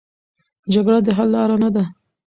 جګړه د حل لاره نه ده.